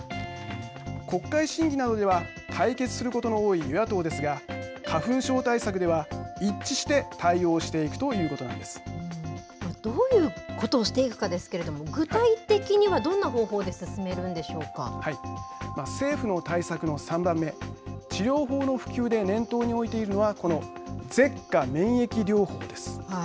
国会審議などでは対決することの多い与野党ですが花粉症対策では一致して対応していくどういうことをしていくかですけれども、具体的にはどんな方法で政府の対策の３番目治療法の普及で念頭においているのはこの舌下免疫療法です。